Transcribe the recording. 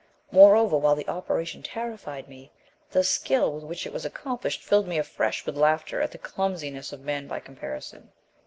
Moreover, while the operation terrified me, the skill with which it was accomplished filled me afresh with laughter at the clumsiness of men by comparison.